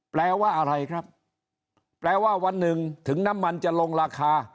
แปลว่าอะไรครับแปลว่าวันหนึ่งถึงน้ำมันจะลงราคา